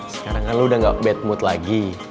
sekarang kan lu udah nggak bad mood lagi